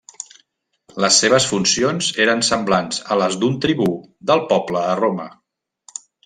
Les seves funcions eren semblants a les d'un tribú del poble a Roma.